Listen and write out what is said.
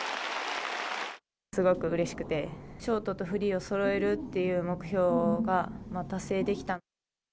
すごくうれしくて、ショートとフリーをそろえるっていう目標が達成できた。